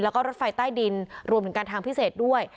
แล้วก็รถไฟใต้ดินรวมถึงการทางพิเศษด้วย